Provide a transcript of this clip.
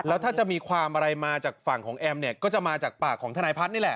แล้วถ้าจะมีความอะไรมาจากฝั่งของแอมเนี่ยก็จะมาจากปากของทนายพัฒน์นี่แหละ